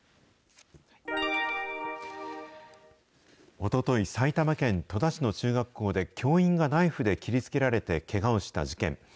おととい、埼玉県戸田市の中学校で、教員がナイフで切りつけられてけがをした事件。